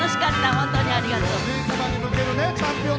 本当にありがとう。